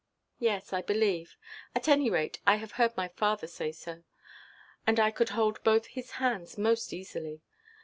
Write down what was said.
"Yes, I believe. At any rate, I have heard my father say so; and I could hold both his hands most easily.